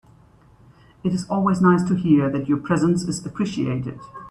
It is always nice to hear that your presence is appreciated.